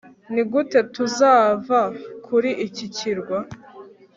nigute tuzava kuri iki kirwa